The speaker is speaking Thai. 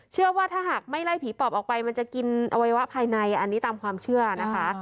เชื่อว่าถ้าหากไม่ไล่ผีปอบออกไปมันจะกินอวัยวะภายในอันนี้ตามความเชื่อนะคะ